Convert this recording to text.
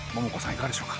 いかがでしょうか？